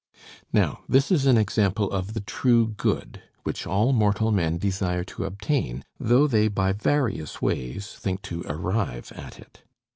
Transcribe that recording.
Now, this is an example of the true good, which all mortal men desire to obtain, though they by various ways think to arrive at it.